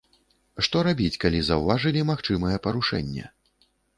Што рабіць, калі заўважылі, магчымае парушэнне?